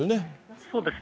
そうですね。